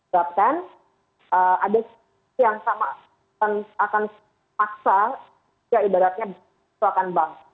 sebenarnya ada yang akan memaksa ya ibaratnya selakan bank